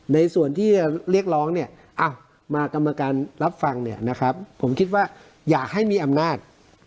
ในส่วนที่เรียกร้องมากรรมการรับฟังผมคิดว่าอย่าให้มีอำนาจ